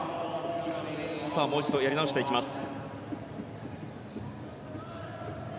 もう一度、やり直していきます。